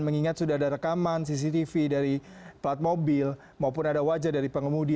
mengingat sudah ada rekaman cctv dari plat mobil maupun ada wajah dari pengemudi